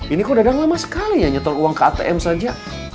ini kok dadang lama sekali ya nyetor uang ke atm saja